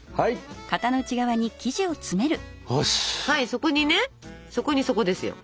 そこにねそこに底ですよ。